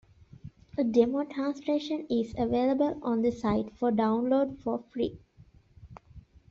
A demo translation is available on the site for download for free.